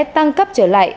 bão sẽ tăng cấp trở lại